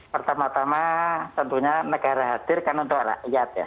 pertama tama tentunya negara hadir kan untuk rakyat ya